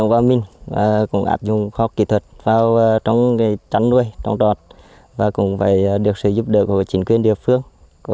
hàng trăm triệu đồng